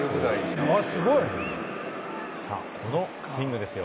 そのスイングですよ。